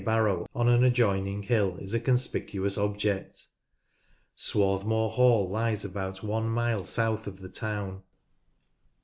Barrow on an adjoining hill is a conspicuous object. Swarthmoor Hall lies about one mile south of the town.